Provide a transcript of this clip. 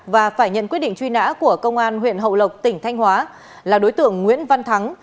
và phải nhận quyết định truy nã của công an huyện hậu lộc tỉnh thanh hóa là đối tượng nguyễn văn thắng